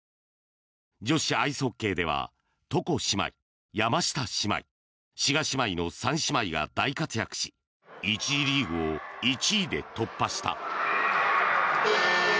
女子アイスホッケーでは床姉妹、山下姉妹志賀姉妹の３姉妹が大活躍し１次リーグを１位で突破した。